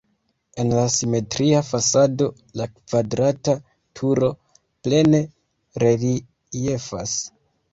En la simetria fasado la kvadrata turo plene reliefas.